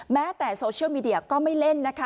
แม้แต่โซเชียลมีเดียก็ไม่เล่นนะคะ